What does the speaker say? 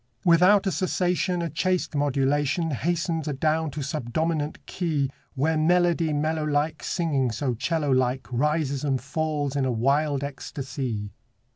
Without a cessation A chaste modulation Hastens adown to subdominant key, Where melody mellow like Singing so 'cello like Rises and falls in a wild ecstasy.